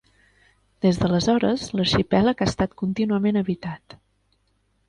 Des d'aleshores l'arxipèlag ha estat contínuament habitat.